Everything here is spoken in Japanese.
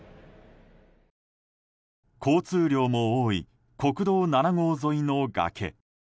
交通量も多い国道７号沿いの崖。